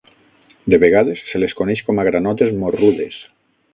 De vegades, se les coneix com a granotes morrudes.